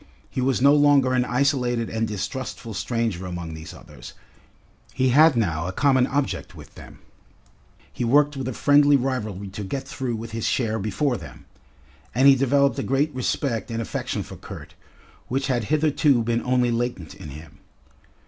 He was no longer an isolated and distrustful stranger among these others, he had now a common object with them, he worked with a friendly rivalry to get through with his share before them. And he developed a great respect and affection for Kurt, which had hitherto been only latent in him.